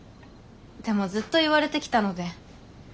でもずっと言われてきたので。